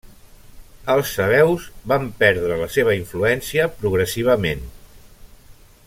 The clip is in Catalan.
Els sabeus van perdre la seva influència progressivament.